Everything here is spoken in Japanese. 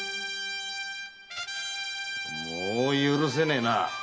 もう許せねえな。